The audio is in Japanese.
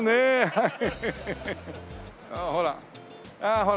はい。